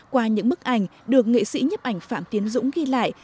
qua những bức ảnh được nghệ sĩ nhấp ảnh phạm tiến dũng ghi lại